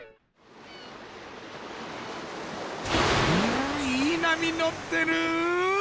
んいい波乗ってる？